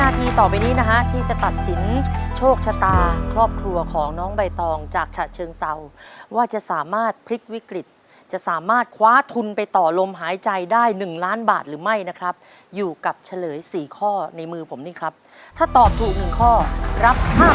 ทีต่อไปนี้นะฮะที่จะตัดสินโชคชะตาครอบครัวของน้องใบตองจากฉะเชิงเศร้าว่าจะสามารถพลิกวิกฤตจะสามารถคว้าทุนไปต่อลมหายใจได้๑ล้านบาทหรือไม่นะครับอยู่กับเฉลย๔ข้อในมือผมนี่ครับถ้าตอบถูก๑ข้อรับ๕๐๐